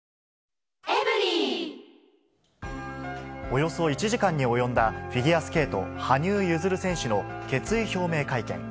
およそ１時間に及んだ、フィギュアスケート、羽生結弦選手の決意表明会見。